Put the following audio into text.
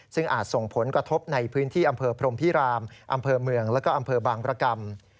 ซึ่งอาจส่งผลกระทบในพื้นที่อำเภอพรมพิรามอำเภอเมืองแล้วก็อำเภอบางรกรรม